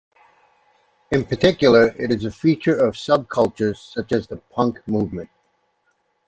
In particular, it is a feature of subcultures such as the punk movement.